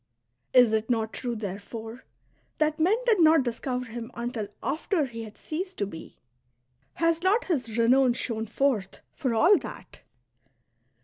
" Is it not true, therefore, that men did not discover him until after he had ceased to be ? Has not his renown shone forth, for all that